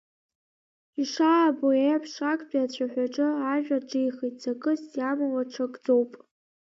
Ишаабо еиԥш, актәи ацәаҳәаҿы ажәа ҿихит ҵакыс иамоу аҽакӡоуп…